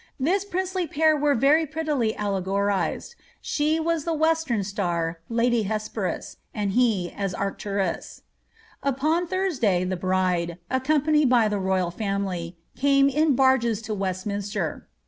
This princely pair were very prettily alle gorised, she as the western star, lady Hesperus, and he as Arcturus.* Upon Thursday the bride, accompanied by the royal fiimily, came in barges to Westminster.